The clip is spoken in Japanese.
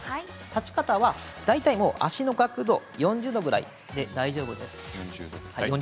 立ち方は大体足の角度４０度ぐらいで大丈夫です。